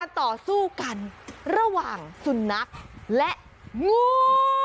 ต่อสู้กันระหว่างสุนัขและงู